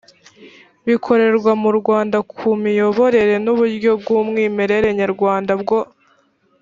bikorerwa mu rwanda ku miyoborere n uburyo bw umwimerere nyarwanda bwo